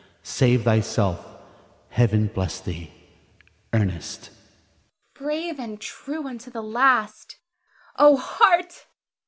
Save thyself. Heaven bless thee. Ernest. Brave and true unto the last! O heart!